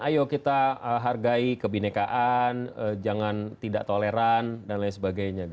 ayo kita hargai kebinekaan jangan tidak toleran dan lain sebagainya